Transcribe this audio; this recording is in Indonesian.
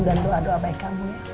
dan doa doa baik kamu ya